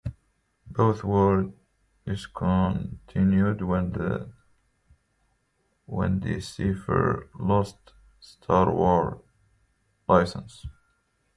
Both were discontinued when Decipher lost the "Star Wars" license.